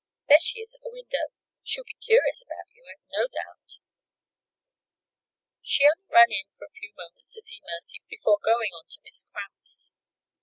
"There she is at the window. She'll be curious about you, I've no doubt." She only ran in for a few moments to see Mercy before going on to Miss Cramp's.